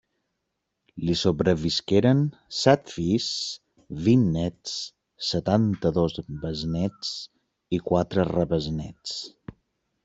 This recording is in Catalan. Li sobrevisqueren set fills, vint néts, setanta-dos besnéts i quatre rebesnéts.